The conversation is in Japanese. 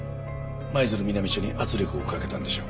舞鶴南署に圧力をかけたんでしょう。